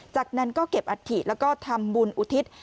จากนั้นก็เก็บอัฐิแล้วก็ทำบุญอุทิศ